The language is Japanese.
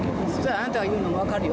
あなたが言うのも分かるよ。